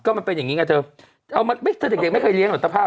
มันเป็นอย่างนี้ไงเธอเอามาไม่ถ้าเด็กเด็กไม่เคยเลี้ยหอตะภาพ